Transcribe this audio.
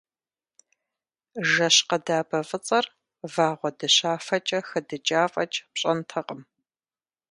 Жэщ къэдабэ фӏыцӏэр вагъуэ дыщафэкӏэ хэдыкӏа фэкӏ пщӏэнтэкъым.